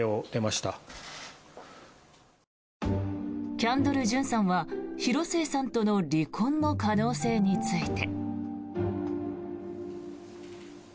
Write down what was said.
キャンドル・ジュンさんは広末さんとの離婚の可能性について。